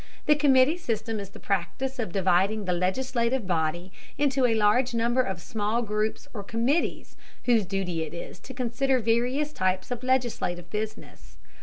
The committee system is the practice of dividing the legislative body into a large number of small groups or committees whose duty it is to consider various types of legislative business.